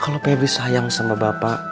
kalau pebis sayang sama bapak